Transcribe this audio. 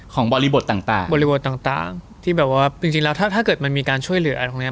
บริบทต่างบริบทต่างที่แบบว่าจริงแล้วถ้าเกิดมันมีการช่วยเหลืออะไรตรงนี้